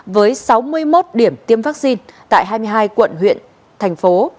với sáu mươi một điểm tiêm vaccine tại hai mươi hai quận huyện thành phố